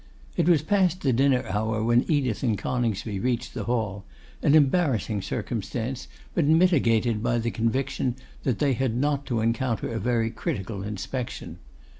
It was past the dinner hour when Edith and Coningsby reached the Hall; an embarrassing circumstance, but mitigated by the conviction that they had not to encounter a very critical inspection.